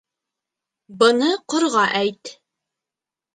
— Быны Ҡорға әйт.